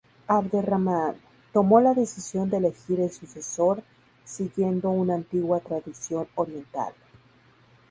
Abderramán tomó la decisión de elegir el sucesor siguiendo una antigua tradición oriental.